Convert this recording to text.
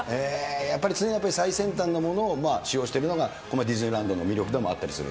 やっぱり常に最先端のものを使用してるのが、このディズニーランドの魅力でもあったりする？